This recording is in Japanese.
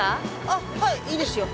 あっはいいいですよ。